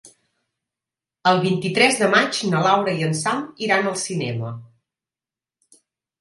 El vint-i-tres de maig na Laura i en Sam iran al cinema.